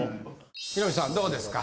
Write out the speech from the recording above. ヒロミさんどうですか？